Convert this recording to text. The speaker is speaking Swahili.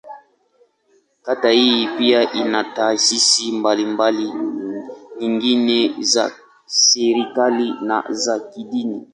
Kata hii pia ina taasisi mbalimbali nyingine za serikali, na za kidini.